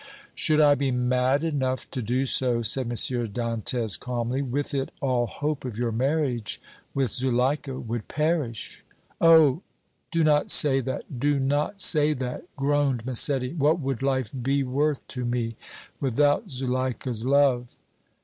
"Should I be mad enough to do so," said M. Dantès, calmly, "with it all hope of your marriage with Zuleika would perish!" "Oh! do not say that, do not say that!" groaned Massetti. "What would life be worth to me without Zuleika's love!"